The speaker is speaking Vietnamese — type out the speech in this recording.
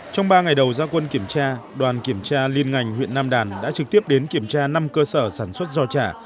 trong ba ngày đầu gia quân kiểm tra đoàn kiểm tra liên ngành huyện nam đàn đã trực tiếp đến kiểm tra năm cơ sở sản xuất giò chả